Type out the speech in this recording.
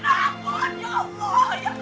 ampun ya allah